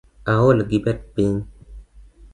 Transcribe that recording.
Aol gi bet piny